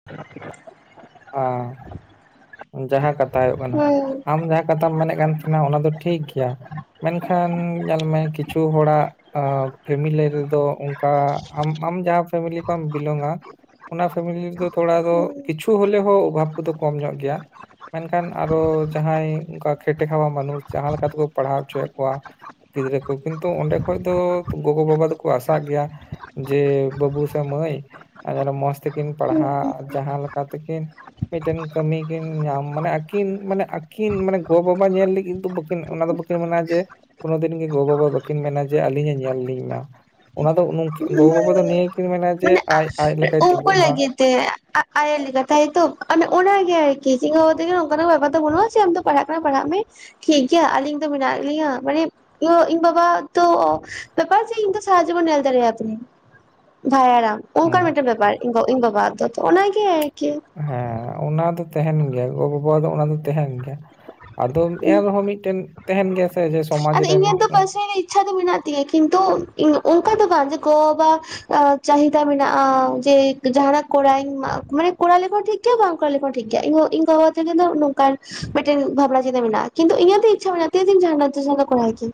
[inaudible] ᱟᱸ ᱡᱟᱦᱟᱸ ᱠᱟᱛᱷᱟ ᱦᱩᱭᱩᱜ ᱠᱟᱱᱟ ᱦᱩᱸ ᱟᱢ ᱡᱟ ᱠᱟᱛᱷᱟᱢ ᱢᱮᱱᱮᱫ ᱠᱟᱱ ᱛᱷᱮᱱᱟ ᱚᱱᱟ ᱫᱚ ᱴᱷᱤᱠ ᱜᱮᱭᱟ, ᱢᱮᱱᱠᱷᱟᱱ ᱧᱮᱞᱢᱮ ᱠᱤᱪᱷᱩ ᱦᱚᱲᱟᱜ ᱟ ᱯᱷᱮᱢᱤᱞᱤ ᱨᱮᱫᱚ ᱚᱝᱠᱟ ᱟᱢ ᱟᱢ ᱡᱟᱦᱟᱸ ᱯᱷᱮᱢᱮᱞᱤ ᱠᱷᱚᱱ ᱵᱤᱞᱚᱝ-ᱟ ᱚᱱᱟ ᱯᱷᱮᱢᱮᱞᱤ ᱨᱮᱫᱚ ᱛᱷᱚᱲᱟ ᱫᱚ ᱠᱤᱪᱷ ᱛᱩ ᱦᱚᱞᱮ ᱦᱳ ᱚᱵᱷᱟᱵ ᱠᱚᱫᱚ ᱠᱚᱢ ᱧᱚᱜ ᱜᱮᱭᱟ᱾ ᱢᱮᱱᱠᱷᱟᱱ ᱟᱨᱚ ᱡᱟᱦᱟᱸᱭ ᱚᱝᱠᱟ ᱠᱷᱮᱴᱮ ᱠᱷᱟᱣᱟ ᱢᱟᱱᱩᱥ ᱡᱟᱦᱟᱸ ᱞᱮᱠᱟᱛᱮᱠᱚ ᱯᱟᱲᱦᱟᱣ ᱦᱚᱪᱚᱭᱮᱫ ᱠᱚᱣᱟ ᱜᱤᱫᱨᱟᱹ ᱠᱚ ᱠᱤᱱᱛᱩ ᱚᱸᱰᱮ ᱠᱷᱚᱡ ᱫᱚ ᱜᱚᱜᱚ ᱵᱟᱵᱟ ᱫᱚᱠᱚ ᱟᱥᱟᱜ ᱜᱮᱭᱟ, ᱡᱮ ᱵᱟᱹᱵᱩ ᱥᱮ ᱢᱟᱹᱭ ᱟ ᱡᱮᱱᱚ ᱢᱚᱸᱡᱽ ᱛᱮᱠᱤᱱ ᱯᱟᱲᱦᱟᱜ ᱡᱟᱦᱟᱸ ᱞᱮᱠᱟ ᱛᱮᱠᱤᱱ ᱢᱤᱜᱴᱮᱱ ᱠᱟᱹᱢᱤ ᱠᱤᱱ ᱧᱟᱢ ᱢᱟᱱᱮ ᱟᱹᱠᱤᱱ ᱢᱟᱱᱮ ᱟᱹᱠᱤᱱ ᱢᱟᱱᱮ ᱜᱚ ᱵᱟᱵᱟ ᱧᱮᱞ ᱞᱮᱹᱜᱤᱫ ᱫᱚ ᱵᱟᱹᱠᱤᱱ ᱚᱱᱟ ᱫᱚ ᱵᱟᱹ ᱠᱤᱱ ᱢᱮᱱᱟ ᱡᱮ ᱠᱳᱱᱳ ᱫᱤᱱ ᱜᱮ ᱜᱚ ᱵᱟᱵᱟ ᱵᱟᱹᱠᱤᱱ ᱢᱮᱱᱟ ᱡᱮ ᱟᱹᱞᱤᱧᱮ ᱧᱮᱞ ᱞᱤᱧ ᱢᱟ, ᱚᱱᱟ ᱫᱚ ᱱᱩᱝ ᱜᱚᱜᱚ ᱵᱟᱵᱟ ᱫᱚ ᱱᱤᱭᱟᱹ ᱜᱮᱠᱤᱱ ᱢᱮᱱᱟ ᱡᱮ ᱟᱡ ᱟᱡ ᱞᱮᱠᱟᱭ ᱩᱝᱠᱩ ᱛᱤᱸᱜᱩᱜ ᱢᱟ ᱞᱟᱹᱜᱤᱫ ᱛᱮ ᱟ ᱟᱭ ᱞᱮᱠᱟ ᱛᱟᱭ ᱛᱚ ᱚᱱᱟᱜᱮ ᱟᱨᱠᱤ ᱤᱧ ᱜᱚᱜᱚ ᱛᱟᱹᱠᱤᱱ ᱦᱚᱸ ᱚᱝᱠᱟ ᱱᱟᱜ ᱵᱮᱯᱟᱨ ᱫᱚ ᱵᱟᱹᱱᱩᱜ ᱟ ᱡᱮ ᱟᱢ ᱫᱚ ᱯᱟᱲᱦᱟᱜ ᱠᱟᱱᱟᱢ ᱯᱟᱲᱦᱟᱜ ᱢᱮ ᱴᱷᱤᱠ ᱜᱮᱭᱟ ᱟᱞᱤᱧ ᱫᱚ ᱢᱮᱱᱟᱜ ᱞᱤᱧᱟᱹ ᱢᱟᱱᱮ ᱤᱧ ᱵᱟᱵᱟ ᱛᱚ ᱵᱮᱯᱟᱨ ᱥᱮ ᱤᱧ ᱛᱚ ᱥᱟᱨᱟ ᱡᱤᱵᱟᱱ ᱧᱮᱞ ᱫᱟᱨᱮᱭᱟ ᱠᱤᱱᱤᱧ ᱵᱷᱟᱭᱟᱨᱟᱢ ᱚᱝᱠᱟ ᱦᱩᱸ ᱢᱮᱜᱴᱮᱱ ᱵᱮᱯᱟᱨ ᱤᱧ ᱜᱚ ᱤᱧ ᱵᱟᱵᱟ ᱟᱜ ᱫᱚ ᱛᱚ ᱚᱱᱟᱜᱮ ᱟᱨᱠᱤ ᱦᱮᱸ ᱚᱱᱟ ᱫᱚ ᱛᱟᱦᱮᱱ ᱜᱮᱭᱟ, ᱜᱚ- ᱵᱟᱵᱟ ᱫᱚ ᱚᱱᱟ ᱫᱚ ᱛᱟᱦᱮᱱ ᱜᱮᱭᱟ᱾ ᱟᱫ ᱮᱱ ᱨᱮᱦᱚᱸ ᱢᱤᱫᱴᱮᱱ ᱛᱟᱦᱮᱱ ᱜᱮᱭᱟᱼᱼ ᱟᱫᱚ ᱤᱧᱟᱹᱜ ᱫᱚ ᱯᱟᱥᱮ ᱨᱮ ᱤᱪᱪᱷᱟ ᱫᱚ ᱢᱮᱱᱟᱜ ᱛᱤᱧᱟᱹ ᱠᱤᱱᱛᱩ ᱚᱱᱠᱟ ᱫᱚ ᱵᱟᱝ ᱡᱮ ᱜᱚ ᱵᱟᱵᱟᱼᱼ ᱪᱟᱦᱤᱫᱟ ᱢᱮᱱᱟᱜᱼᱟ ᱡᱮ ᱡᱟᱦᱟ ᱱᱟᱜ ᱠᱚᱨᱧ, ᱢᱟᱱᱮ ᱠᱚᱨᱟᱣ ᱞᱮᱠᱷᱟᱱ ᱴᱷᱤᱠᱼᱼ ᱜᱮᱭᱟ ᱵᱟᱝ ᱠᱚᱨᱟᱣ ᱞᱮᱠᱷᱚᱱ ᱴᱷᱤᱠ ᱜᱮᱭᱟ, ᱤᱧ ᱵᱟᱵᱟ ᱛᱟᱞᱮ ᱫᱚ ᱱᱚᱝ ᱠᱟᱱᱼᱼ ᱢᱮᱴᱴᱮᱱ ᱵᱷᱵᱽᱱᱟ ᱪᱤᱱᱟᱹ ᱢᱮᱱᱟᱜᱼᱟ, ᱠᱤᱱᱛᱩ ᱤᱧᱟᱹᱜ ᱫᱚ ᱤᱪᱪᱷᱟ ᱢᱮᱱᱟᱜᱼᱟ ᱛᱤᱱᱟ ᱠᱚᱨᱟᱭ ᱟᱹᱠᱤᱱ᱾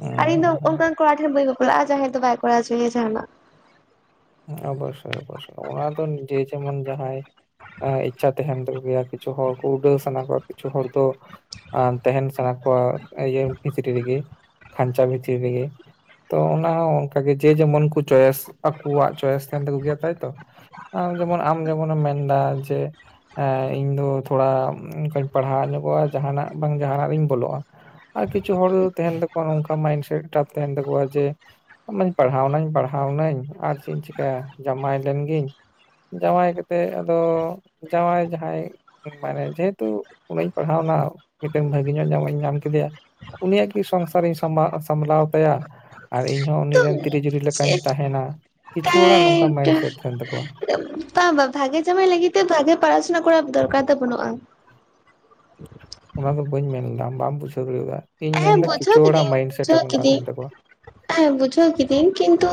ᱦᱩᱸ ᱟᱨ ᱤᱧ ᱫᱚ ᱦᱩᱸ ᱦᱩᱸ ᱚᱱᱠᱟᱱ ᱠᱚᱲᱟ ᱴᱷᱮᱱ ᱵᱟᱹᱧ ᱵᱟᱯᱞᱟᱜᱼᱟ ᱡᱟᱦᱟᱸᱭ ᱫᱚ ᱵᱟᱭ ᱠᱚᱨᱟᱣ ᱦᱚᱪᱚᱭᱧᱭᱟ ᱡᱟᱦᱟᱸᱱᱟᱜ᱾ ᱚᱵᱚᱥᱳᱭ ᱚᱵᱚᱥᱳᱭ ᱚᱱᱟ ᱫᱚ ᱡᱮ ᱡᱮᱢᱚᱱ ᱡᱟᱦᱟᱸᱭ ᱤᱪᱪᱷᱟ ᱛᱟᱦᱮᱱ ᱛᱟᱠᱚ ᱜᱮᱭᱟ ᱠᱤᱪᱷᱩ ᱦᱚᱲ ᱠᱚ ᱩᱰᱟᱹᱣ ᱥᱟᱱᱟ ᱠᱚᱣᱟ, ᱠᱤᱪᱷᱩ ᱦᱚᱲ ᱫᱚ, ᱛᱟᱦᱮᱱ ᱥᱟᱱᱟ ᱠᱚᱣᱟ ᱤᱭᱟᱹ ᱵᱷᱤᱛᱨᱤ ᱨᱮᱜᱮ, ᱠᱷᱟᱧᱪᱟ ᱵᱷᱤᱛᱨᱤ ᱨᱮᱜᱮ᱾ ᱛᱚ ᱚᱱᱟ ᱦᱚᱸ ᱚᱱᱠᱟᱜᱮ ᱡᱮ ᱡᱮᱢᱚᱱ ᱠᱚ ᱪᱚᱭᱮᱥ ᱟᱠᱚᱣᱟᱜ ᱪᱚᱭᱮᱥ ᱛᱟᱦᱮᱱ ᱛᱟᱠᱚ ᱜᱮᱭᱟ ᱛᱟᱭᱛᱚ᱾ ᱡᱮᱢᱚᱱ ᱟᱢ ᱡᱮᱢᱚᱱᱮᱢ ᱢᱮᱱᱫᱟ ᱡᱮᱼᱼ ᱮᱸᱜ ᱤᱧ ᱫᱚ ᱛᱷᱚᱲᱟ ᱚᱱᱠᱟᱧ ᱯᱟᱲᱦᱟᱣ ᱧᱚᱜᱚᱜᱼᱟ ᱡᱟᱦᱟᱱᱟᱜ ᱵᱟᱝ ᱡᱟᱦᱟᱱᱟᱜ ᱨᱤᱧ ᱵᱚᱞᱚᱜᱼᱟᱼᱼ ᱟᱨ ᱠᱤᱪᱷᱩ ᱦᱚᱲ ᱫᱚ ᱛᱟᱦᱮᱱ ᱛᱟᱠᱚᱣᱟ ᱱᱚᱝᱠᱟ ᱢᱟᱭᱤᱱ ᱥᱮᱹᱴ ᱴᱟᱜ ᱛᱟᱦᱮᱱ ᱛᱟᱠᱚᱣᱟ ᱡᱮᱼᱼ ᱟᱧ ᱢᱟ ᱯᱟᱲᱦᱟᱣᱱᱟᱹᱧ ᱯᱟᱲᱦᱟᱣᱱᱟᱹᱧ ᱟᱨ ᱪᱮᱫ ᱤᱧ ᱪᱤᱠᱟᱹᱭᱟ, ᱡᱟᱶᱟᱭ ᱞᱮᱱ ᱜᱤᱧ᱾ ᱡᱟᱶᱟᱭ ᱠᱟᱛᱮᱫ ᱟᱫᱚ ᱡᱟᱶᱟᱭ ᱡᱟᱦᱟᱸᱭᱼᱼ ᱢᱟᱱᱮ ᱡᱮᱦᱮᱛᱩ ᱩᱱᱟᱹᱜᱧ ᱯᱟᱲᱦᱟᱣᱼᱱᱟ ᱢᱤᱫᱴᱮᱱ ᱵᱷᱟᱹᱜᱤ ᱧᱚᱜ ᱧᱟᱢᱚᱜ ᱤᱧ ᱧᱟᱢ ᱠᱮᱫᱮᱭᱟᱼᱼ ᱩᱱᱤᱭᱟᱜ ᱜᱮ ᱥᱚᱝᱥᱟᱨᱤᱧ ᱥᱟᱢ ᱥᱟᱢᱞᱟᱣ ᱛᱟᱭᱟ ᱟᱨ ᱤᱧ ᱦᱚᱸ ᱛᱚ ᱩᱱᱤᱨᱮᱱᱼᱼ ᱛᱤᱨ ᱡᱩᱨᱤ ᱞᱮᱠᱟᱧ ᱪᱮᱫ ᱛᱟᱦᱮᱱᱟ, ᱠᱤᱪᱷᱩ ᱦᱚᱲᱟᱜ ᱱᱚᱝᱠᱟ ᱢᱟᱭᱤᱱ ᱥᱟᱹᱤᱴ ᱛᱟᱦᱮᱱ ᱛᱟᱠᱚᱣᱟ᱾ ᱵᱟᱝ ᱵᱟᱝ ᱵᱷᱟᱜᱮ ᱡᱟᱶᱟᱭ ᱞᱟᱹᱜᱤᱫ ᱛᱮᱫᱚ ᱵᱷᱟᱜᱮ ᱯᱟᱲᱟᱥᱩᱱᱟ ᱠᱚᱨᱟᱣ ᱫᱚᱨᱠᱟᱨ ᱫᱚ ᱵᱟᱹᱱᱩᱜᱼᱟ᱾ ᱚᱱᱟᱫᱚ ᱵᱟᱹᱧ ᱢᱮᱱᱮᱫᱟ, ᱵᱟᱢ ᱵᱩᱡᱷᱟᱹᱣ ᱫᱟᱲᱮᱭᱟᱫᱟ ᱤᱧ ᱦᱮᱸ ᱢᱮᱱ ᱮᱫᱟ ᱵᱩᱡᱷᱟᱹᱣ ᱠᱤᱪᱷᱩ ᱠᱤᱫᱟᱹᱧ ᱦᱚᱲᱟᱜ ᱢᱟᱭᱤᱱ ᱥᱟᱼᱤᱴ ᱵᱩᱡᱷᱟᱹᱣ ᱚᱱᱠᱟ ᱠᱤᱫᱟᱹᱧ ᱛᱟᱦᱮᱱ ᱛᱟᱠᱚᱣᱟ᱾ ᱦᱮᱸ ᱵᱩᱡᱷᱟᱹᱣ ᱠᱤᱫᱤᱣ, ᱠᱤᱱᱛᱩᱼᱼ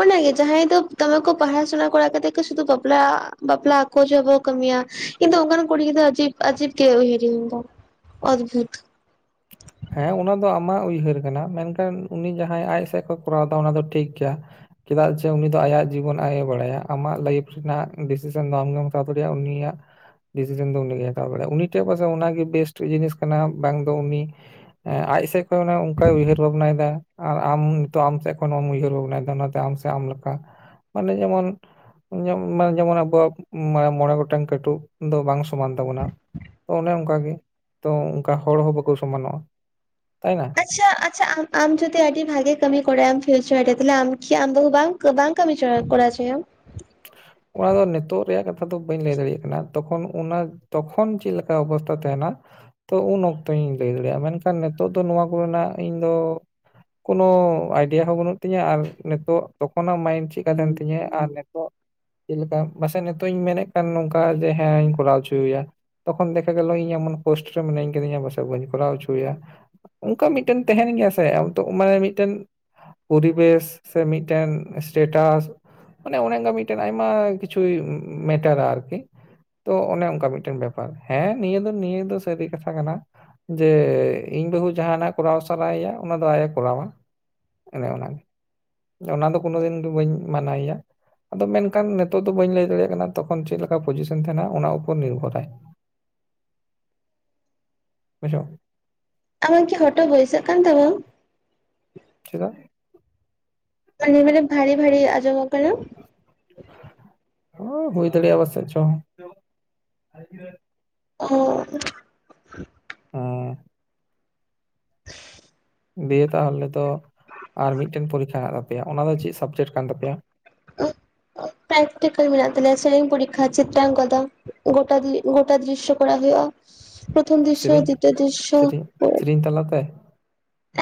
ᱚᱱᱟᱜᱮ ᱡᱟᱦᱟᱸᱭ ᱫᱚ ᱫᱚᱢᱮ ᱠᱚ ᱯᱟᱲᱦᱟ ᱥᱩᱱᱟ ᱠᱚᱨᱟᱣ ᱠᱟᱛᱮ ᱜᱮ ᱥᱩᱫᱷᱩ ᱵᱟᱯᱞᱟ ᱵᱟᱯᱞᱟ ᱟᱠᱚ ᱡ ᱵᱚ ᱠᱟᱹᱢᱤᱭᱟ᱾ ᱠᱤᱱᱛᱩ ᱚᱱᱠᱟᱱ ᱠᱩᱲᱤ-ᱜᱤᱫᱟᱹᱨ ᱫᱚ ᱟᱡᱤᱵ ᱜᱮ ᱩᱭᱦᱟᱹᱨᱼᱟᱧ ᱤᱧ ᱫᱚ᱾ ᱦᱮᱸ ᱚᱱᱟ ᱫᱚ ᱟᱢᱟᱜ ᱩᱭᱦᱟᱹᱨ ᱠᱟᱱᱟ, ᱢᱮᱱᱠᱷᱟᱱ ᱩᱱᱤ ᱡᱟᱦᱟᱸᱭ ᱟᱡ ᱥᱮᱫ ᱠᱷᱚᱱ ᱠᱚᱨᱟᱣ ᱮᱟ ᱚᱱᱟ ᱫᱚ ᱴᱷᱤᱠ ᱜᱮᱭᱟ᱾ ᱪᱮᱫᱟᱜ ᱡᱮ ᱩᱱᱤ ᱫᱚ ᱟᱭᱟᱜ ᱡᱤᱵᱚᱱ ᱟᱡ ᱮ ᱵᱟᱲᱟᱭᱟ᱾ ᱟᱢᱟᱜ ᱞᱟᱭᱤᱯᱷ ᱨᱮᱱᱟᱜ ᱰᱤᱥᱤᱥᱮᱱ ᱫᱚ ᱟᱢᱜᱮᱢ ᱦᱟᱛᱟᱣ ᱫᱟᱲᱮᱭᱟᱜᱼᱟ, ᱩᱱᱤᱭᱟᱜᱼᱼ ᱰᱤᱥᱤᱡᱮᱱ ᱫᱚ ᱩᱱᱤᱜᱮᱭ ᱦᱟᱛᱟᱣ ᱵᱟᱟᱲᱟᱭᱟ᱾ ᱩᱱᱤ ᱴᱷᱮᱡ ᱯᱟᱥᱮᱡ ᱚᱱᱟᱜᱮ ᱵᱮᱥᱴ ᱡᱤᱱᱤᱥ ᱠᱟᱱᱟ, ᱵᱟᱝ ᱫᱚ ᱩᱱᱤᱼᱼ ᱟᱡ ᱥᱮᱡ ᱠᱷᱚᱱ ᱚᱱᱮ ᱚᱱᱠᱟᱭ ᱩᱭᱦᱟᱹᱨ ᱵᱷᱟᱵᱽ ᱱᱟᱭᱮᱫᱟᱼᱼ ᱟᱨ ᱟᱢ ᱛᱚᱨᱟᱝ, ᱚᱱᱟᱛᱮ ᱟᱢ ᱥᱮ ᱟᱢ ᱞᱮᱠᱟ᱾ ᱢᱟᱱᱮ ᱡᱮᱢᱚᱱᱼᱼ ᱢᱟᱱᱮ ᱡᱮᱢᱚᱱ ᱟᱵᱚᱣᱟᱜ ᱢᱚᱬᱮ ᱜᱚᱴᱟᱝ ᱠᱟᱹᱴᱩᱵ ᱫᱚ ᱵᱟᱝ ᱥᱚᱢᱟᱱ ᱛᱟᱵᱚᱱᱟ᱾ ᱛᱚ ᱚᱱᱮ ᱚᱱᱠᱟᱜᱮ, ᱛᱚ ᱚᱱᱠᱟ ᱦᱚᱲ ᱦᱚᱸ ᱵᱟᱠᱚ ᱥᱚᱢᱟᱱᱚᱜᱼᱟ᱾ ᱛᱟᱭᱱᱟ? ᱟᱪᱪᱷᱟ ᱟᱪᱪᱷᱟ ᱟᱢ ᱡᱩᱫᱤ ᱟᱹᱰᱤ ᱵᱷᱟᱜᱤ ᱠᱟᱹᱢᱤ ᱠᱚᱨᱟᱭᱢ ᱯᱷᱤᱭᱩᱪᱟᱨ ᱨᱮ᱾ ᱛᱟᱦᱮ ᱟᱢ ᱠᱤ ᱟᱢ ᱵᱟᱦᱩ ᱵᱟᱝᱼᱼ ᱵᱟᱝ ᱠᱟᱹᱢᱤ ᱠᱚᱲᱟ ᱦᱚᱪᱚᱭᱟᱢ? ᱚᱱᱟ ᱫᱚ ᱱᱤᱛᱚᱜ ᱨᱮᱭᱟᱜ ᱠᱟᱛᱷᱟ ᱫᱚ ᱵᱟᱹᱧ ᱞᱟᱹᱭ ᱫᱟᱲᱮᱭᱟᱜ ᱠᱟᱱᱟ᱾ ᱛᱚᱠᱷᱚᱱ ᱚᱱᱟᱼᱼ ᱛᱚᱠᱷᱚᱱ ᱪᱮᱫᱮ ᱞᱮᱠᱟ ᱚᱵᱚᱥᱛᱟ ᱛᱟᱦᱮᱱᱟ ᱛᱚ ᱩᱱ ᱚᱠᱛᱚᱧ ᱞᱟᱹᱭ ᱫᱟᱲᱮ ᱭᱟᱜᱼᱟ᱾ ᱢᱮᱱᱠᱷᱟᱱ ᱱᱤᱛᱚᱜ ᱫᱚ ᱱᱚᱣᱟ ᱠᱚᱨᱮᱱᱟᱜ ᱤᱧ ᱫᱚ, ᱠᱳᱱᱳ ᱟᱭᱰᱤᱭᱟ ᱦᱚᱸ ᱵᱟᱹᱱᱩᱜ ᱛᱤᱧᱟᱹ᱾ ᱟᱨ ᱱᱤᱛᱚᱜ ᱛᱚᱠᱷᱚᱱᱟᱜ ᱢᱟᱭᱤᱱᱰ ᱪᱮᱫᱠᱟ ᱛᱟᱦᱮᱱ ᱛᱤᱧᱟᱹ ᱟᱨᱼᱼ ᱪᱮᱫ ᱞᱮᱠᱟ ᱯᱟᱥᱮᱡ ᱱᱤᱛᱚᱜ ᱤᱧ ᱢᱮᱱᱮᱫ ᱠᱟᱱ ᱱᱚᱝᱠᱟ ᱡᱮ ᱦᱮᱸᱧ ᱠᱚᱨᱟᱣ ᱦᱚᱪᱚᱭᱮᱭᱟ᱾ ᱛᱚᱠᱷᱚᱱ ᱫᱮᱠᱷᱟᱜᱮᱞᱚ ᱤᱧ ᱮᱢᱚᱱ ᱯᱳᱨᱤᱥᱛᱷᱤᱛᱤ ᱨᱮ ᱢᱤᱱᱟᱧ ᱟᱠᱟᱫᱤᱧᱟ ᱯᱟᱥᱮᱡ ᱵᱟᱹᱧ ᱠᱚᱨᱟᱣ ᱦᱚᱪᱚᱭᱟ᱾ ᱚᱱᱠᱟ ᱢᱤᱫᱴᱮᱱ ᱛᱟᱦᱮᱱ ᱜᱮᱭᱟ ᱥᱮ, ᱢᱟᱱᱮ ᱢᱤᱫᱴᱮᱱᱼᱼ ᱯᱚᱨᱤᱵᱮᱥ ᱥᱮ, ᱢᱤᱫᱴᱮᱱ ᱮᱥᱮᱴᱟᱥ ᱢᱮ ᱚᱱᱮ ᱚᱱᱠᱟ ᱢᱤᱫᱴᱮᱱ ᱟᱭᱢᱟ ᱠᱤᱪᱷᱩᱭ ᱢᱮᱴᱟᱨᱟ ᱟᱨᱠᱤ᱾ ᱛᱚ ᱚᱱᱮ ᱚᱱᱠᱟ ᱢᱤᱫᱴᱮᱱ ᱵᱮᱯᱟᱨ᱾ ᱦᱮᱸ ᱱᱤᱭᱟᱹ ᱫᱚ ᱱᱤᱭᱟᱹ ᱫᱚ ᱥᱟᱹᱨᱤ ᱠᱟᱛᱷᱟ ᱠᱟᱱᱟ᱾ ᱡᱮ ᱤᱧ ᱵᱟᱹᱦᱩ ᱡᱟᱦᱟᱱᱟᱜ ᱠᱚᱨᱟᱣ ᱥᱟᱱᱟᱭᱮᱭᱟ ᱚᱱᱟ ᱫᱚ ᱟᱡ ᱮ ᱠᱚᱨᱟᱣᱟ᱾ ᱚᱱᱮ ᱚᱱᱟᱜᱮ᱾ ᱚᱱᱟ ᱫᱚ ᱠᱳᱱᱳ ᱫᱤᱱ ᱫᱚ ᱵᱟᱹᱧ ᱢᱟᱱᱟᱣᱮᱭᱟ᱾ ᱟᱫᱚ ᱢᱮᱱᱠᱷᱟᱱ ᱱᱤᱛᱚᱜ ᱫᱚ ᱵᱟᱹᱧ ᱞᱟᱹᱭ ᱫᱟᱲᱮᱭᱟᱜ ᱠᱟᱱᱟ, ᱛᱚᱠᱷᱚᱱ ᱪᱮᱫ ᱞᱮᱠᱟ ᱯᱚᱡᱤᱥᱚᱱ ᱛᱟᱦᱮᱱᱟ ᱚᱱᱟ ᱩᱯᱚᱨ ᱱᱤᱨᱵᱷᱚᱨᱟᱭ ᱾ [inaudible] ᱚᱪᱚᱜ ᱾ ᱟᱢᱟᱜ ᱠᱤ ᱦᱚᱴᱚᱜ ᱵᱟᱹᱭᱥᱟᱹᱜ ᱠᱟᱱ ᱛᱟᱹᱵᱤᱱ? ᱪᱮᱫᱟᱜ? ᱢᱟᱱᱮ ᱢᱟᱱᱮ ᱵᱷᱟᱨᱤ ᱵᱷᱟᱨᱤ ᱟᱧᱡᱚᱢᱚᱜ ᱠᱟᱱᱟ ᱾ ᱚ ᱦᱩᱭ ᱫᱟᱲᱮᱭᱟᱜᱼᱟ ᱯᱟᱥᱮᱫ ᱪᱚᱝ ᱾ [unintelligible] ᱩᱸ ᱾ ᱦᱟᱸ ᱾ ᱵᱤ ᱮ ᱛᱟᱦᱚᱞᱮ ᱛᱚ, ᱟᱨ ᱢᱤᱫᱴᱮᱱ ᱯᱚᱨᱤᱠᱷᱟ ᱦᱮᱱᱟᱜ ᱛᱟᱯᱮᱭᱟ ᱚᱱᱟ ᱫᱚ ᱪᱮᱫ ᱥᱟᱵᱡᱮᱠᱴ ᱠᱟᱱ ᱛᱟᱯᱮᱭᱟ? ᱯᱨᱮᱠᱴᱤᱠᱮᱞ ᱢᱮᱱᱟᱜ ᱛᱟᱞᱮᱭᱟ ᱥᱮᱨᱮᱧ ᱯᱚᱨᱤᱠᱷᱟ ᱪᱤᱛᱨᱟᱠᱚ ᱫᱚ ᱾ ᱜᱚᱴᱟ ᱜᱚᱴᱟ ᱫᱤ ᱫᱨᱤᱥᱚ ᱠᱚᱨᱟ ᱦᱩᱭᱩᱜᱼᱟ ᱯᱨᱚᱛᱷᱚᱢ ᱫᱨᱥᱚ ᱥᱮᱨᱮᱧ ᱫᱤᱛᱤᱭᱚ ᱫᱨᱥᱚ ᱾ ᱥᱮᱨᱮᱧ ᱥᱮᱨᱮᱧ ᱛᱟᱞᱟᱛᱮ?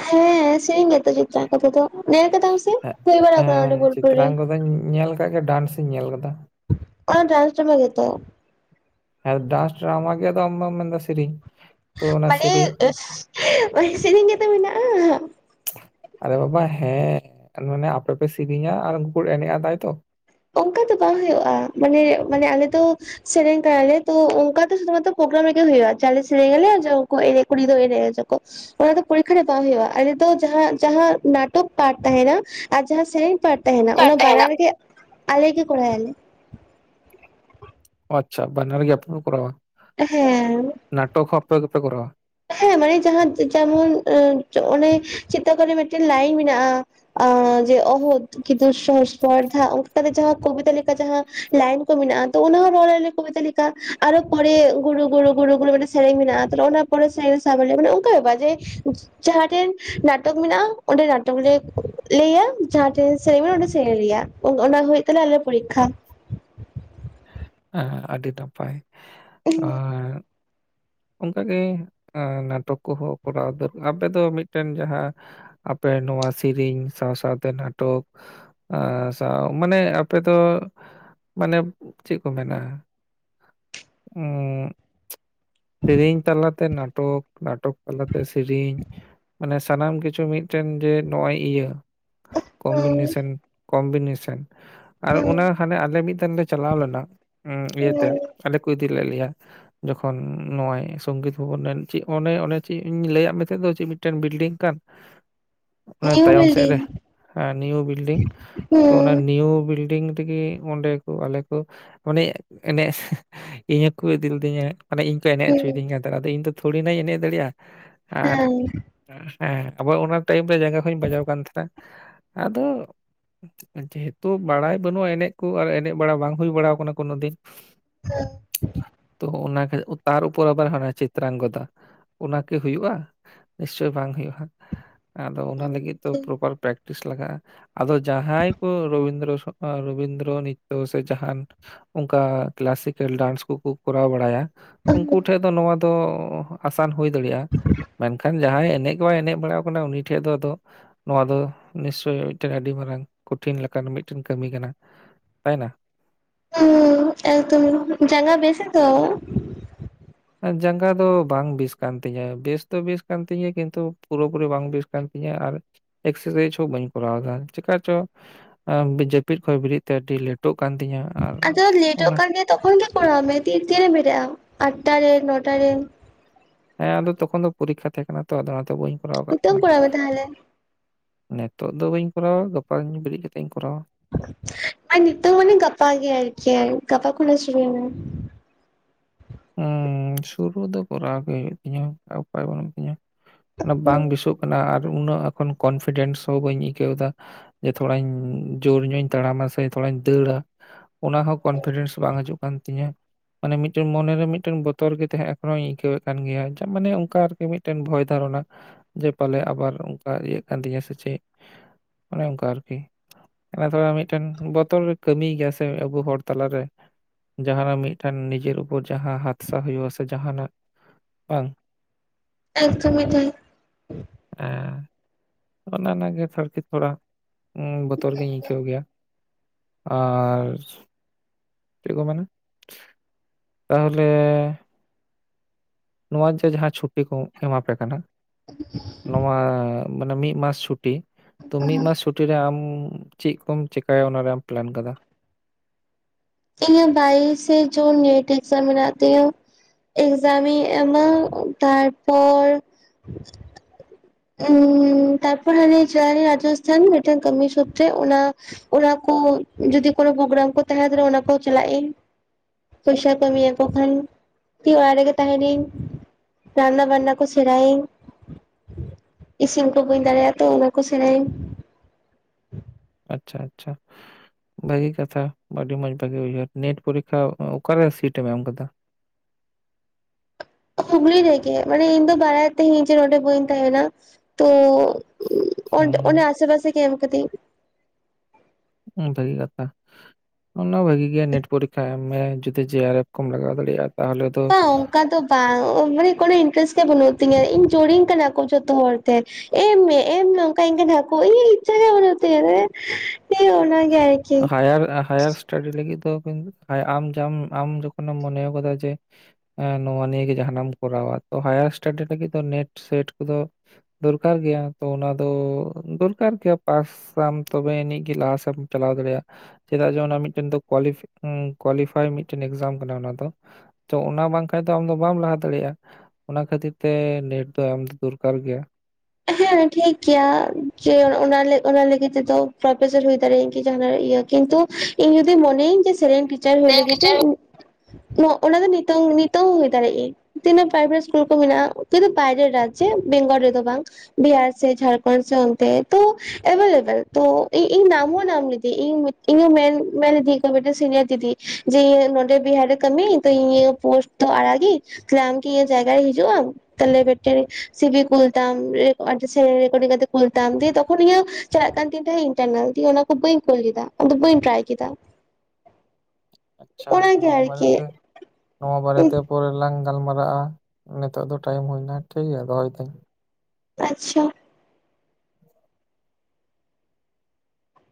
ᱦᱮᱸ ᱥᱮᱨᱮᱧ ᱜᱮᱛᱚ ᱪᱤᱛᱨᱟᱝᱠᱚᱫᱚ ᱫᱚ ᱧᱮᱞ ᱠᱟᱫᱟᱢ ᱥᱮ? ᱦᱩᱭ ᱵᱟᱲᱟ ᱠᱟᱱᱟ ᱚᱱᱰᱮ ᱵᱳᱞᱯᱩᱨ ᱨᱮ ᱾ ᱟᱫᱚᱧ ᱧᱮᱞ ᱟᱠᱟᱫ ᱜᱮᱭᱟ ᱰᱟᱱᱥ ᱧᱮᱞ ᱟᱠᱟᱫᱟ ᱾ ᱚᱱᱟ ᱰᱟᱱᱥ ᱰᱨᱟᱢᱟ ᱜᱮ ᱛᱚ ᱾ ᱦᱮᱸ ᱰᱟᱱᱥ ᱰᱨᱟᱢᱟ ᱜᱮᱫᱚ ᱟᱢ ᱢᱟ ᱢᱮᱱᱫᱟ ᱥᱮᱨᱮᱧ ᱾ ᱢᱟᱱᱮ ᱥᱮᱨᱮᱧ ᱜᱮᱫᱚ ᱢᱮᱱᱟᱜᱼᱟ ᱾ ᱟᱨᱮ ᱵᱟᱵᱟ ᱦᱮᱸ ᱢᱟᱱᱮ ᱟᱯᱮᱯᱮ ᱥᱮᱨᱮᱧᱟ ᱟᱨ ᱩᱱᱠᱩ ᱠᱚ ᱮᱱᱮᱡᱼᱟ ᱛᱟᱭᱛᱚ ᱾ ᱚᱱᱠᱟ ᱫᱚ ᱵᱟᱝ ᱦᱩᱭᱩᱜᱼᱟ ᱢᱟᱱᱮ ᱢᱟᱱᱮ ᱟᱞᱮ ᱫᱚ ᱾ ᱥᱮᱨᱮᱧ ᱛᱟᱦᱮᱱᱟᱞᱮ ᱛᱚ ᱚᱱᱠᱟ ᱫᱚ ᱥᱩᱫᱷᱩ ᱢᱟᱛᱚᱨᱚ ᱯᱨᱳᱜᱨᱟᱢ ᱨᱮᱜᱮ ᱦᱩᱭᱩᱜᱼᱟ ᱡᱮ ᱟᱞᱮ ᱥᱮᱨᱮᱧ ᱟᱞᱮ ᱡᱚᱞ ᱠᱚ ᱮᱱᱮᱡᱟ ᱠᱩᱲᱤ ᱫᱚ ᱮᱱᱮᱢ ᱚᱪᱚ ᱠᱚ ᱾ ᱚᱱᱟ ᱫᱚ ᱯᱚᱨᱤᱠᱷᱟ ᱨᱮ ᱵᱟᱝ ᱦᱳᱭᱳᱜᱼᱟ ᱟᱨ ᱱᱤᱛᱚᱜ ᱡᱟᱦᱟᱸ ᱡᱟᱦᱟᱸ ᱱᱟᱴᱚᱠ ᱯᱟᱴ ᱛᱟᱦᱮᱱᱟ ᱟᱨ ᱡᱟᱦᱟᱸ ᱥᱮᱨᱮᱧ ᱯᱟᱴ ᱛᱟᱦᱮᱱᱟ ᱚᱱᱟ ᱯᱟᱴᱟ ᱵᱟᱱᱟᱨ ᱦᱮᱱᱟᱜ ᱨᱮᱜᱮ ᱟᱞᱮ ᱜᱮ ᱠᱚᱨᱟᱭᱟᱞᱮ ᱾ ᱚ ᱟᱪᱪᱷᱟ ᱵᱟᱱᱟᱨ ᱜᱮ ᱟᱯᱮ ᱯᱮ ᱠᱚᱨᱟᱣᱟ ᱾ ᱦᱮᱸ ᱾ ᱱᱟᱴᱚᱠ ᱦᱚᱸ ᱟᱯᱮ ᱜᱮᱯᱮ ᱠᱚᱨᱟᱣᱟ ᱾ ᱦᱮᱸ ᱢᱟᱱᱮ ᱡᱟᱦᱟᱸ ᱡᱮᱢᱚᱱ ᱚᱱᱮ ᱪᱮᱫᱟᱜ ᱠᱚᱨᱮ ᱢᱤᱫᱴᱮᱱ ᱞᱟᱭᱤᱱ ᱢᱮᱱᱟᱜᱼᱟ ᱾ ᱟ ᱡᱮ ᱚᱦᱚᱫ ᱠᱤ ᱫᱩᱨᱥᱚ ᱥᱯᱨᱫᱦᱟ ᱚᱱᱠᱟ ᱛᱮ ᱡᱟᱦᱟᱸ ᱠᱚᱵᱤᱛᱟ ᱞᱮᱠᱟ ᱛᱮ ᱡᱟᱦᱟᱸ ᱞᱟᱭᱤᱱ ᱠᱚ ᱢᱮᱱᱟᱜᱼᱟ ᱛᱚ ᱚᱱᱟ ᱦᱚᱸ ᱨᱚᱲ ᱟᱞᱮ ᱠᱚ ᱠᱚᱵᱤᱛᱟ ᱞᱮᱠᱟ ᱟᱨᱚ ᱯᱚᱨᱮ ᱜᱩᱨᱩ ᱜᱩᱨᱩ ᱜᱩᱨᱩ ᱜᱩᱨᱩ ᱢᱤᱫᱴᱮᱱ ᱥᱮᱨᱮᱧ ᱢᱮᱱᱟᱜᱼᱟ ᱛᱟᱦᱟᱞᱮ ᱚᱱᱟ ᱯᱚᱨᱮ ᱥᱮᱨᱮᱧ ᱥᱟᱵ ᱟᱞᱮ ᱢᱟᱱᱮ ᱚᱱᱠᱟ ᱵᱟᱝ ᱡᱮ ᱡᱟᱦᱟᱸ ᱴᱷᱮᱱ ᱱᱟᱴᱚᱠ ᱢᱮᱱᱟᱜᱼᱟ ᱚᱸᱰᱮ ᱱᱟᱴᱚᱠ ᱞᱮ ᱞᱟᱹᱭᱟ, ᱡᱟᱦᱟᱸ ᱴᱷᱮᱱ ᱥᱮᱨᱮᱧ ᱢᱮᱱᱟᱜᱼᱟ ᱚᱸᱰᱮ ᱥᱮᱨᱮᱧ ᱞᱮ ᱞᱟᱹᱭᱟ, ᱚᱱᱟ ᱚᱱᱟ ᱦᱩᱭᱩᱜ ᱛᱟᱞᱮᱭᱟ ᱟᱞᱮᱭᱟᱜ ᱯᱚᱨᱤᱠᱷᱟ ᱾ ᱦᱮᱸ ᱟᱹᱰᱤ ᱱᱟᱯᱟᱭ ᱟᱨ ᱚᱱᱠᱟᱜᱮ ᱱᱟᱴᱚᱠ ᱠᱚᱦᱚᱸ ᱠᱚᱨᱟᱣ ᱫᱚᱨᱠᱟᱨ ᱟᱯᱮ ᱫᱚ ᱢᱤᱫᱴᱮᱱ ᱡᱟᱦᱟᱸ ᱟᱯᱮ ᱱᱚᱶᱟ ᱥᱮᱨᱮᱧ ᱥᱟᱶ-ᱥᱟᱶ ᱛᱮ ᱱᱟᱴᱚᱠ ᱟ ᱥᱟᱶ ᱢᱟᱱᱮ ᱟᱯᱮ ᱫᱚ ᱢᱟᱱᱮ ᱪᱮᱫ ᱠᱚ ᱢᱮᱱᱟᱜ-ᱟ ᱩᱸ ᱥᱮᱨᱮᱧ ᱛᱟᱞᱟ ᱛᱮ ᱱᱟᱴᱚᱠ, ᱱᱟᱴᱚᱠ ᱛᱟᱞᱟ ᱛᱮ ᱥᱮᱨᱮᱧ ᱢᱟᱱᱮ ᱥᱟᱱᱟᱢ ᱠᱤᱪᱷᱩ ᱢᱤᱫᱴᱮᱱ ᱡᱮ ᱱᱚᱜᱼᱚᱭ ᱤᱭᱟᱹ ᱠᱚᱢᱵᱤᱱᱮᱥᱟᱱ ᱠᱚᱢᱵᱤᱱᱮᱥᱮᱱ ᱟᱨ ᱚᱱᱟ ᱦᱟᱱᱮ ᱟᱞᱮ ᱢᱤᱫᱴᱮᱱ ᱞᱮ ᱪᱟᱞᱟᱣ ᱞᱮᱱᱟ ᱢᱢ ᱤᱭᱟᱹᱛᱮ ᱟᱞᱮ ᱠᱚ ᱤᱫᱤ ᱞᱮᱫ ᱞᱮᱭᱟ ᱡᱚᱠᱷᱚᱱ ᱱᱚᱜᱭ ᱥᱚᱝᱜᱤᱛ ᱵᱷᱚᱵᱚᱱ ᱨᱮᱱ ᱪᱮᱫ ᱚᱱᱮ ᱚᱱᱮ ᱪᱮᱫ ᱤᱧ ᱞᱟᱹᱭᱟᱫ ᱢᱮ ᱛᱟᱦᱮᱸᱫ ᱫᱚ ᱪᱮᱫ ᱢᱤᱫᱴᱮᱱ ᱵᱤᱞᱰᱤᱝ ᱠᱟᱱ [inaudible] ᱚᱱᱮ ᱱᱤᱭᱩ ᱛᱟᱭᱚᱢ ᱥᱮᱫ ᱵᱤᱞᱰᱤᱝ ᱨᱮ, ᱦᱮᱸ ᱱᱤᱭᱩ ᱵᱤᱞᱰᱤᱝ ᱛᱚ ᱚᱱᱟ ᱦᱩᱸ ᱱᱤᱭᱩ ᱵᱤᱞᱰᱤᱝ ᱛᱤᱜᱤ ᱚᱸᱰᱮ ᱠᱚ ᱟᱞᱮ ᱠᱚ, ᱢᱟᱱᱮ ᱮᱱᱮᱡ ᱤᱧ ᱦᱚᱸ ᱠᱚ ᱤᱫᱤ ᱞᱤᱫᱤᱧᱟ ᱢᱟᱱᱮ ᱤᱧ ᱠᱚ ᱮᱱᱮᱡ ᱦᱩᱸ ᱦᱚᱪᱚᱭᱫᱤᱧ ᱠᱟᱱ ᱛᱟᱦᱮᱸᱱᱟ ᱟᱫᱚ ᱤᱧ ᱫᱚ ᱛᱷᱚᱲᱤ ᱱᱟᱜ ᱤᱧ ᱮᱱᱮᱡ ᱫᱟᱲᱮᱭᱟᱜᱼᱟ᱾ ᱟᱨ ᱦᱮᱸ ᱦᱮᱸ ᱟᱵᱟᱨ ᱚᱱᱟ ᱴᱟᱭᱤᱢ ᱨᱮ ᱡᱟᱸᱜᱟ ᱦᱚᱧ ᱵᱟᱡᱟᱣ ᱠᱟᱱ ᱛᱟᱦᱮᱸᱱᱟ᱾ ᱟᱫᱚ ᱡᱮᱦᱮᱛᱩ ᱵᱟᱲᱟᱭ ᱵᱟᱹᱱᱩᱜᱼᱟ ᱮᱱᱮᱡ ᱠᱚ ᱟᱨ ᱮᱱᱮᱡ ᱵᱟᱲᱟ ᱵᱟᱝ ᱦᱩᱭ ᱵᱟᱲᱟᱣ ᱠᱟᱱᱟ ᱠᱳᱱᱳ ᱫᱤᱱ, [inaudible] ᱛᱚ ᱚᱱᱟ ᱠᱷᱟᱹᱛᱤᱨ [inaudible] ᱛᱟᱨ ᱩᱯᱚᱨ ᱟᱵᱟᱨ ᱦᱟᱱᱮ ᱪᱤᱛᱨᱟᱝᱜᱚᱫᱟ, ᱚᱱᱟ ᱠᱤ ᱦᱩᱭᱩᱜᱼᱟ, ᱱᱤᱥᱪᱳᱭ ᱵᱟᱝ ᱦᱩᱭᱩᱜᱼᱟ᱾ ᱟᱫᱚ ᱚᱱᱟ ᱞᱟᱹᱜᱤᱫ ᱛᱚ ᱯᱨᱚᱯᱟᱨ ᱯᱮᱠ -ᱴᱤᱥ ᱞᱟᱜᱟᱜᱼᱟ, ᱟᱫᱚ ᱡᱟᱦᱟᱸᱭ ᱠᱚ ᱨᱚᱵᱤᱱᱫᱨᱚ ᱫᱚ ᱨᱚᱵᱤᱱᱫᱨᱚ ᱱᱤᱛᱛᱚ ᱥᱮ ᱡᱟᱦᱟᱱ ᱚᱱᱠᱟ ᱠᱞᱟᱥᱤᱠᱮᱞ ᱰᱟᱱᱥ ᱠᱚᱠᱚ ᱠᱚᱨᱟᱣ ᱵᱟᱲᱟᱭᱟ, ᱩᱱᱠᱩ ᱴᱷᱮᱡ ᱫᱚ ᱱᱚᱣᱟ ᱫᱚ ᱟᱥᱟᱱ ᱦᱩᱭ ᱫᱟᱲᱮᱭᱟᱜᱼᱟ, ᱢᱮᱱᱠᱷᱟᱱ ᱡᱟᱦᱟᱸᱭ ᱮᱱᱮᱡ ᱵᱟᱭ ᱮᱱᱮᱡ ᱵᱟᱲᱟᱣ ᱠᱟᱱᱟ ᱩᱱᱤ ᱴᱷᱮᱡ ᱫᱚ ᱟᱫᱚ, ᱱᱚᱣᱟ ᱫᱚ ᱱᱤᱥᱪᱳᱭ ᱢᱤᱫ ᱴᱮᱱ ᱟᱹᱰᱤ ᱢᱟᱨᱟᱝ ᱠᱚ ᱴᱷᱤᱱ ᱞᱮᱠᱟᱱ ᱢᱤᱫ ᱴᱮᱱ ᱠᱟᱹᱢᱤ ᱠᱟᱱᱟ᱾ ᱛᱟᱭᱱᱟ? [unintelligible] ᱮᱠᱫᱚᱢ ᱡᱟᱸᱜᱟ ᱵᱮᱥ? [unintelligible] ᱡᱟᱸᱜᱟ ᱫᱚ ᱵᱟᱝ ᱵᱮᱥ ᱠᱟᱱ ᱛᱤᱧᱟᱹ ᱵᱮᱥ ᱫᱚ ᱵᱮᱥ ᱠᱟᱱ ᱛᱤᱧᱟᱹ ᱠᱤᱱᱛᱩ ᱯᱩᱨᱟᱹ ᱯᱩᱨᱤ ᱵᱟᱝ ᱵᱮᱥ ᱠᱟᱱ ᱛᱤᱧᱟᱹ, ᱟᱨ ᱮᱠᱥᱟᱥᱟᱭᱤᱡᱽ ᱦᱚᱸ ᱵᱟᱹᱧ ᱠᱚᱨᱟᱣᱫᱟ ᱪᱤᱠᱟᱹ ᱪᱚ, ᱡᱟᱹᱯᱤᱫ ᱠᱷᱚᱡ ᱵᱤᱨᱤᱫ ᱛᱮ ᱟᱹᱰᱤ ᱞᱮᱴᱚᱜ ᱠᱟᱱ ᱛᱤᱧᱟᱹ, ᱟᱨ ᱟᱫᱚ ᱞᱮᱴᱚᱜ ᱚᱱᱟ ᱠᱟᱱ ᱜᱮᱭᱟ ᱛᱚᱠᱷᱚᱱ ᱜᱮ ᱠᱚᱨᱟᱣ ᱢᱮ, ᱛᱤ ᱨᱮᱢ ᱵᱮᱨᱮᱫᱼᱟ ᱟᱴᱴᱟ ᱨᱮ ᱱᱚᱴᱟ ᱨᱮ? ᱦᱮᱸ ᱟᱫᱚ ᱛᱚᱠᱷᱚᱱ ᱫᱚ ᱯᱚᱨᱤᱠᱷᱟ ᱛᱟᱦᱮᱸ ᱠᱟᱱᱟ ᱛᱚ ᱟᱫᱚ ᱚᱱᱟ ᱛᱮ ᱵᱟᱹᱧ ᱠᱚᱨᱟᱣ ᱠᱟᱜ ᱛᱟᱦᱮᱱᱟ [unintelligible] ᱠᱚᱨᱟᱣ ᱢᱮ ᱛᱟᱦᱞᱮ᱾ ᱱᱤᱛᱚᱜ ᱫᱚ ᱵᱟᱹᱧ ᱠᱚᱨᱟᱣᱟ ᱜᱟᱯᱟᱧ ᱵᱮᱨᱮᱫ ᱠᱟᱛᱮ ᱤᱧ ᱠᱚᱨᱟᱣᱟ᱾ ᱟᱨ ᱱᱤᱛᱚᱜ ᱢᱟᱱᱮ ᱜᱟᱯᱟ ᱜᱮ ᱟᱨᱠᱤ, ᱜᱟᱯᱟ ᱠᱷᱚᱱᱟᱜ ᱥᱩᱨᱩᱭ ᱢᱮ᱾ ᱦᱩᱸ ᱥᱩᱨᱩ ᱫᱚ ᱠᱚᱨᱟᱣ ᱜᱮ ᱦᱩᱭᱩᱜ ᱛᱤᱧᱟᱹ, ᱟᱨ ᱩᱯᱟᱭ ᱵᱟᱹᱱᱩᱜ ᱛᱤᱧᱟᱹ, ᱚᱱᱟ ᱵᱟᱝ ᱵᱮᱥᱚᱜ ᱚᱱᱟ ᱟᱨ ᱩᱱᱟᱹᱜ ᱮᱠᱷᱚᱱ ᱠᱚᱱᱯᱷᱤᱰᱮᱱᱥ ᱦᱚᱸ ᱵᱟᱹᱧ ᱟᱹᱭᱠᱟᱹᱣᱫᱟ᱾ ᱡᱮ ᱛᱷᱚᱲᱟᱹᱧ ᱡᱳᱨ ᱧᱚᱜ ᱤᱧ ᱛᱟᱲᱟᱢᱟ ᱥᱮ ᱛᱷᱚᱲᱟᱹᱧ ᱫᱟᱹᱲᱟ᱾ ᱚᱱᱟ ᱦᱚᱸ ᱠᱚᱱᱯᱷᱤᱰᱮᱱᱥ ᱵᱟᱝ ᱦᱤᱡᱩᱜ ᱠᱟᱱ ᱛᱤᱧᱟᱹ, ᱢᱟᱱᱮ ᱢᱤᱫ ᱴᱮᱱ ᱢᱚᱱᱮ ᱨᱮ ᱢᱤᱫ ᱴᱟᱹᱝ ᱵᱚᱛᱚᱨ ᱜᱮ ᱛᱟᱦᱮᱸ ᱮᱠᱷᱚᱱ ᱦᱚᱸᱧ ᱟᱹᱭᱠᱟᱹᱣ ᱮᱫ ᱠᱟᱱ ᱜᱮᱭᱟ, ᱡᱮ ᱢᱟᱱᱮ ᱚᱱᱠᱟ ᱟᱨᱠᱤ ᱢᱤᱫ ᱴᱮᱱ ᱵᱷᱚᱭ ᱫᱷᱟᱨᱚᱱᱟ ᱡᱮ ᱯᱟᱞᱮᱜ ᱟᱵᱟᱨ ᱚᱱᱠᱟ ᱤᱭᱟᱹᱜ ᱠᱟᱱ ᱛᱤᱧᱟ ᱥᱮ ᱪᱮᱫ, ᱚᱱᱮ ᱚᱱᱠᱟ ᱟᱨᱠᱤ᱾ ᱟᱫᱚ ᱢᱤᱫ ᱴᱮᱱ ᱵᱚᱛᱚᱨ ᱠᱟᱹᱢᱤ ᱜᱮᱭᱟ ᱥᱮ ᱟᱵᱚ ᱦᱚᱲ ᱛᱟᱞᱟ ᱨᱮ, ᱡᱟᱦᱟᱸᱱᱟᱜ ᱢᱤᱫᱴᱮᱱ ᱱᱤᱡᱮᱨ ᱩᱯᱚᱨ ᱡᱟᱦᱟᱸ ᱦᱟᱛᱥᱟ ᱦᱩᱭᱩᱜ ᱟ ᱥᱮ ᱡᱟᱦᱟᱸᱱᱟᱜ ᱵᱟᱝ? ᱮᱠᱫᱚᱢ [unintelligible] ᱦᱮᱸ᱾ ᱟᱵᱟᱨ ᱚᱱᱟ ᱚᱱᱟ ᱜᱮ [unintelligible] ᱛᱷᱚᱲᱟ, ᱩᱸ ᱵᱚᱛᱚᱨ ᱜᱤᱧ ᱟᱹᱭᱠᱟᱹᱣ ᱜᱮᱭᱟ᱾ [unintelligible] ᱪᱮᱫ ᱠᱚ ᱢᱮᱱᱟ? ᱛᱟᱦᱚᱞᱮ ᱱᱚᱣᱟ ᱡᱮ ᱡᱟᱦᱟᱸ ᱪᱷᱩᱴᱤ ᱠᱚ ᱮᱢᱟ ᱯᱮ ᱠᱟᱱᱟ, ᱱᱚᱣᱟ ᱢᱟᱱᱮ ᱢᱤᱫ ᱢᱟᱥ ᱪᱷᱩᱴᱤ, ᱛᱚ ᱢᱤᱫ ᱢᱟᱥ ᱪᱷᱩᱴᱤ ᱨᱮ ᱟᱢ ᱪᱮᱫ ᱠᱚᱢ ᱪᱤᱠᱟᱹᱭᱟ ᱚᱱᱟ ᱨᱮᱢ ᱯᱞᱮᱱ ᱠᱟᱫᱟ? ᱮ ᱱᱤᱭᱟᱹ ᱵᱟᱭᱤᱥᱮ ᱡᱩᱱ ᱱᱮᱴ ᱮᱠᱡᱟᱢ ᱢᱮᱱᱟᱜ ᱛᱤᱧᱟ᱾ ᱮᱠᱡᱟᱢ ᱤᱧ ᱮᱢᱟ ᱛᱟᱨᱯᱚᱨ ᱩᱸᱻ ᱛᱟᱨᱯᱚᱨ ᱦᱟᱱᱮ ᱡᱟᱦᱟᱸ ᱨᱮ ᱨᱟᱡᱚᱥᱛᱷᱟᱱ ᱢᱤᱫ ᱴᱮᱱ ᱠᱟᱹᱢᱤ [unintelligible] ᱚᱱᱟ ᱚᱱᱟ ᱠᱚ ᱡᱩᱫᱤ ᱠᱳᱱᱳ ᱯᱨᱳᱜᱨᱟᱢ ᱠᱚ ᱛᱟᱦᱮᱹ ᱫᱟᱲᱮᱜᱼᱟ ᱚᱱᱟ ᱠᱚ ᱪᱟᱞᱟᱜ ᱤᱧ᱾ ᱯᱚᱭᱥᱟ ᱠᱚ ᱮᱢᱟ ᱭᱟᱠᱩ ᱠᱷᱟᱱ ᱤᱧ ᱚᱲᱟᱜ ᱨᱮᱜᱮ ᱛᱟᱦᱮ ᱱᱤᱧ ᱨᱟᱱᱟ ᱵᱟᱱᱱᱟ ᱠᱚ ᱥᱮᱲᱟ ᱭᱤᱧ ᱤᱥᱤᱱ ᱠᱚ ᱵᱟᱹᱧ ᱫᱟᱲᱮᱭᱟᱜᱼᱟ ᱛᱚ ᱚᱱᱟ ᱠᱚ ᱥᱮᱲᱟᱭ ᱤᱧ ᱟᱪᱪᱷᱟ ᱟᱪᱪᱷᱟ ᱵᱷᱟᱜᱮ ᱠᱟᱛᱷᱟ ᱟᱹᱰᱤ ᱢᱚᱸᱡᱽ ᱵᱷᱟᱜᱮ ᱵᱩᱡᱷᱟᱹᱣ ᱱᱟ ᱱᱮᱴ ᱯᱚᱨᱤᱠᱷᱟ ᱚᱠᱟ ᱨᱮ ᱥᱤᱴ ᱮᱢ ᱠᱟᱫᱟ? ᱦᱩᱜᱽᱞᱤ ᱨᱮᱜᱮ ᱢᱟᱱᱮ ᱤᱧ ᱫᱚ ᱵᱟᱰᱟᱭ ᱛᱟᱦᱮᱫ ᱤᱧ ᱡᱮ ᱱᱚᱰᱮ ᱵᱟᱹᱧ ᱛᱟᱦᱮᱱᱟ ᱛᱚ ᱚᱱᱴ ᱦᱩᱸ ᱚᱸᱰᱮ ᱟᱥᱮ ᱯᱟᱥᱮ ᱜᱮ ᱮᱢ ᱠᱟᱹᱫᱤᱧ ᱵᱷᱟᱹᱜᱮ ᱠᱟᱛᱷᱟ ᱚᱱᱟ ᱵᱷᱟᱹᱜᱮ ᱜᱮᱭᱟ ᱱᱮᱴ ᱯᱚᱨᱤᱠᱷᱟ ᱮᱢ ᱢᱮ ᱡᱩᱫᱤ ᱡᱮᱟᱨᱯ ᱠᱚᱢ ᱞᱟᱜᱟᱣ ᱫᱟᱲᱮᱭᱟᱜᱼᱟ ᱛᱟᱦᱚᱞᱮ ᱛᱚ ᱵᱟᱝ ᱚᱱᱠᱟ ᱫᱚ ᱵᱟᱝ ᱢᱟᱱᱮ ᱠᱳᱱᱳ ᱤᱱᱴᱟᱨᱮᱥᱴ ᱜᱮ ᱵᱟᱹᱱᱩᱜ ᱛᱤᱧᱟᱹ ᱤᱧ ᱡᱳᱨ ᱤᱧ ᱠᱟᱱᱟ ᱠᱚ ᱡᱷᱚᱛᱚ ᱦᱚᱲ ᱛᱮ ᱮᱢ ᱢᱮ ‌ᱮᱢ ᱢᱮ ᱚᱝᱠᱟᱹᱧ ᱠᱟᱱᱟ ᱠᱚ ᱤᱧ ᱟᱜ ᱤᱪᱷᱟ ᱜᱮ ᱵᱟᱹᱱᱩᱜ ᱛᱤᱧᱟ ᱚᱱᱟ ᱜᱮ ᱟᱨ ᱦᱟᱭᱟᱨ ᱦᱟᱭᱟᱨ ᱥᱴᱟᱰᱤ ᱞᱟᱹᱜᱤᱫ ᱫᱚ ᱠᱤᱱᱛᱩ ᱟᱢ ᱡᱟᱢ ᱟᱢ ᱡᱚᱠᱷᱚᱱᱮᱢ ᱢᱚᱱᱮ ᱠᱟᱫᱟ ᱡᱮ ᱮ ᱱᱚᱣᱟ ᱱᱤᱭᱮ ᱜᱮ ᱡᱟᱦᱟᱸᱟᱱᱟᱜ ᱮᱢ ᱠᱚᱨᱟᱣᱟ ᱛᱚ ᱦᱟᱭᱟᱨ ᱮᱴᱟᱰᱤ ᱞᱟᱹᱜᱤᱫ ᱫᱚ ᱱᱮᱴ ᱥᱮᱴ ᱠᱚᱫᱚ ᱫᱚᱨᱠᱟᱨ ᱜᱮᱭᱟ ᱛᱚ ᱚᱱᱟ ᱫᱚ ᱫᱚᱨᱠᱟᱨ ᱜᱮᱭᱟ ᱯᱟᱥᱟᱢ ᱛᱚᱵᱮ ᱟᱹᱱᱤᱡ ᱜᱮ ᱞᱟᱦᱟᱥᱮᱢ ᱪᱟᱞᱟᱣ ᱫᱟᱲᱮᱭᱟᱜᱼᱟ᱾ ᱪᱮᱫᱟᱜ ᱡᱮ ᱚᱱᱟ ᱢᱤᱫᱴᱮᱱ ᱫᱚ ᱠᱳᱞᱤᱯᱤ ᱠᱳᱣᱟᱞᱤᱯᱷᱟᱭ ᱢᱤᱫᱴᱮᱱ ᱮᱠᱡᱟᱢ ᱠᱟᱱᱟ ᱚᱱᱟ ᱫᱚ᱾ ᱛᱚ ᱚᱱᱟ ᱵᱟᱝ ᱠᱷᱟᱱ ᱫᱚ ᱟᱢᱫᱚ ᱵᱟᱢ ᱞᱟᱦᱟ ᱫᱟᱲᱮᱭᱟᱜᱼᱟ᱾ ᱚᱱᱟ ᱠᱷᱟᱹᱛᱤᱨ ᱛᱮ ᱱᱮᱴ ᱫᱚ ᱮᱢ ᱫᱚ ᱫᱚᱨᱠᱟᱨ ᱜᱮ ᱦᱮᱸ ᱴᱷᱤᱠ ᱜᱮᱭᱟ ᱡᱮ ᱚᱱᱟ ᱚᱱᱟ ᱞᱟᱹᱜᱤᱫ ᱛᱮᱫᱚ ᱯᱨᱚᱯᱷᱮᱥᱚᱨ ᱦᱩᱭ ᱫᱟᱲᱮᱭᱟᱜᱼᱟ ᱠᱤ ᱡᱟᱦᱱᱟᱜ ᱤᱭᱟᱹ ᱠᱤᱱᱛᱩ ᱤᱧ ᱡᱩᱫᱤ ᱢᱚᱱᱮᱭᱮᱧ ᱡᱮ ᱥᱮᱨᱮᱧ ᱴᱤᱪᱟᱨ ᱦᱩᱭ ᱞᱟᱹᱜᱤᱫ ᱛᱮ ᱚᱱᱟ ᱫᱚ ᱱᱤᱛᱚᱝ ᱱᱤᱛᱚᱝ ᱦᱚᱸ ᱦᱩᱭ ᱫᱟᱲᱮᱭᱟᱜ ᱤᱧ᱾ ᱛᱤᱱᱟᱹᱜ ᱯᱨᱟᱭᱵᱷᱮᱴ ᱤᱥᱠᱩᱞ ᱠᱚ ᱢᱮᱱᱟᱜᱼᱟ ᱠᱤᱛᱩ ᱯᱟᱭᱨᱮ ᱨᱟᱡᱽᱡᱮ ᱵᱮᱝᱜᱚᱞ ᱨᱮᱫᱚ ᱵᱟᱝ᱾ ᱵᱤᱦᱟᱨ ᱥᱮ ᱡᱷᱟᱲᱠᱷᱚᱱᱰ ᱥᱮ ᱚᱱᱛᱮ ᱛᱚ ᱮᱵᱮᱞᱵᱮᱞ ᱛᱚ ᱤᱧ ᱱᱟᱢ ᱦᱚᱸ ᱱᱟᱢ ᱞᱤᱫᱤ ᱤᱧ ᱤᱧ ᱢᱮᱱ ᱢᱮᱱ ᱞᱮᱫᱤᱧᱟᱠᱚ ᱢᱤᱫᱴᱮᱡ ᱥᱤᱱᱤᱭᱟᱨ ᱫᱤᱫᱤ ᱡᱮ ᱤᱭᱟᱹ ᱱᱚᱰᱮ ᱵᱤᱦᱟᱨ ᱨᱮ ᱠᱟᱹᱢᱤ ᱛᱚ ᱤᱧ ᱤᱭᱟᱹ ᱯᱚᱥᱴ ᱛᱚ ᱟᱨᱟ ᱜᱮᱧ ᱛᱟᱦᱟᱞᱮ ᱟᱢᱠᱤ ᱤᱧᱟᱹᱜ ᱡᱟᱭᱜᱟ ᱨᱮ ᱦᱤᱡᱩᱜᱼᱟᱢ ᱛᱟᱦᱞᱮ ᱵᱮᱴᱨᱤ ᱡᱷᱩᱵᱤ ᱠᱩᱞ ᱛᱟᱢ ᱟᱨ ᱡᱮᱥᱮ ᱨᱮᱠᱚᱴᱤ ᱠᱟᱛᱮ ᱠᱩᱞ ᱛᱟᱢ ᱫᱤᱭᱮ ᱛᱚᱠᱷᱚᱱ ᱤᱧᱟᱹᱜ ᱪᱟᱞᱟᱜ ᱠᱟᱱ ᱛᱤᱧ ᱛᱟᱦᱮᱜ ᱤᱱᱴᱟᱨᱱᱟᱞ ᱫᱤᱭᱮ ᱚᱱᱟ ᱠᱚ ᱵᱟᱹᱧ ᱠᱩᱞ ᱞᱮᱫᱟ᱾ ᱩᱱ ᱫᱚ ᱵᱟᱹᱧ ᱴᱨᱟᱭ ᱠᱮᱫᱟ᱾ ᱟᱪᱪᱷᱟ ᱚᱱᱟᱜᱮ ᱱᱚᱣᱟ ᱵᱟᱨᱮ ᱟᱨᱠᱤ ᱛᱮ ᱱᱚᱣᱟ ᱵᱟᱨᱮᱛᱮ ᱯᱚᱨᱮ ᱞᱟᱝ ᱜᱟᱞᱢᱟᱨᱟᱜᱼᱟ ᱱᱤᱛᱚᱜ ᱫᱚ ᱴᱟᱭᱤᱢ ᱦᱩᱭᱮᱱᱟ ᱴᱷᱤᱠ ᱜᱮᱭᱟ ᱫᱚᱦᱚᱭ ᱫᱤᱧ ᱟᱪᱪᱷᱟ